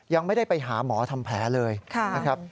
ยังไม่ได้ไปหาหมอทำแผลเลยนะครับ